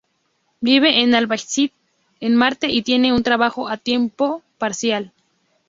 Vive en Alba City, en Marte y tiene un trabajo a tiempo parcial.